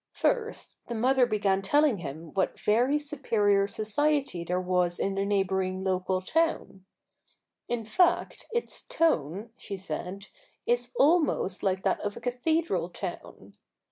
First, the mother began telling him what ver)' superior society there was in the neigh bouring local town: "In fact, its tone," she said, "is almost like that of a cathedral town."'